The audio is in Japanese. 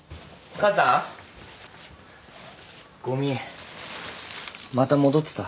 母さんごみまた戻ってた。